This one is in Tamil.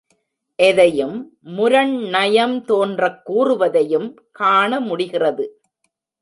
எதையும் முரண் நயம் தோன்றக் கூறுவதையும் காண முடிகிறது.